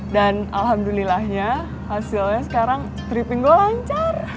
dan alhamdulillahnya hasilnya sekarang tripping gue lancar